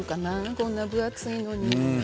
こんな分厚いのに。